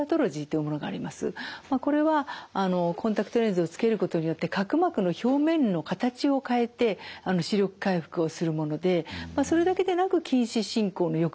これはコンタクトレンズをつけることによって角膜の表面の形を変えて視力回復をするものでそれだけでなく近視進行の抑制効果が出ます。